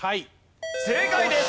正解です！